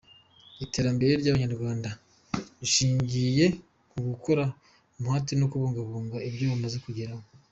Iterambere ry’Abanyarwanda rishingiye ku gukorana umuhate no kubungabunga ibyo bamaze kugeraho.